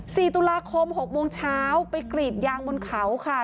สี่ตุลาคมหกโมงเช้าไปกรีดยางบนเขาค่ะ